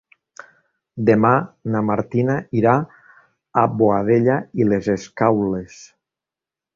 Demà na Martina irà a Boadella i les Escaules.